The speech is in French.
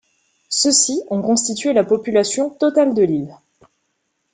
Ceux-ci ont constitué la population totale de l'île.